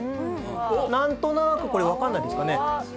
何となくこれ分かんないですかね？